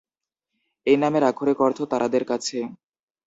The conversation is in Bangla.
এই নামের আক্ষরিক অর্থ "তারাদের কাছে"।